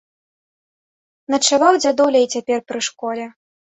Начаваў дзядуля і цяпер пры школе.